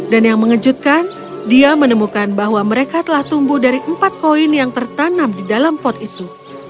dan yang mengejutkan dia menemukan bahwa mereka telah tumbuh dari empat koin yang tertanam di dalam pot itu